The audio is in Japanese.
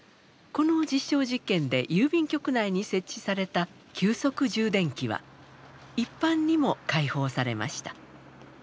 この実証実験で郵便局内に設置された急速充電器は一般にも開放されました。